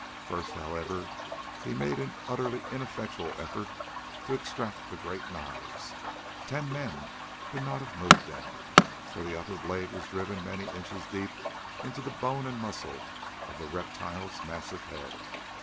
First, however, he made an utterly ineffectual effort to extract the great knives. Ten men could not have moved them, for the upper blade was driven many inches deep into the bone and muscles of the reptile's massive head.